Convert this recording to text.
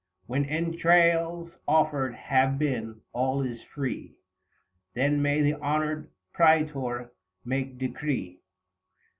When entrails offered have been, all is free, Then may the " Honoured Praetor" make decree.